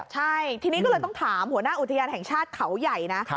ใช่ทีนี้ก็เลยต้องถามหัวหน้าอุทยานแห่งชาติเขาใหญ่นะ